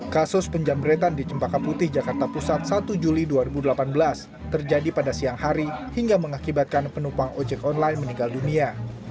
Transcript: kasus penjambretan di cempaka putih jakarta pusat satu juli dua ribu delapan belas terjadi pada siang hari hingga mengakibatkan penumpang ojek online meninggal dunia